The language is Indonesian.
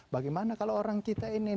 bagaimana kalau orang kita ini